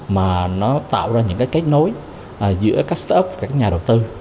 mà nó tạo ra những cái kết nối giữa các staff các nhà đầu tư